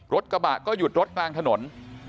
รถกระบะก็หยุดรถกลางถนน